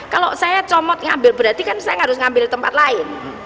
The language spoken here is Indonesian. kalau saya comot ngambil berarti kan saya harus ngambil tempat lain